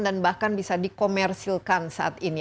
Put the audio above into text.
dan bahkan bisa dikomersilkan saat ini